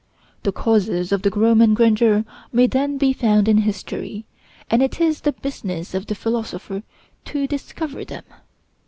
The causes of the Roman grandeur may then be found in history, and it is the business of the philosopher to discover them.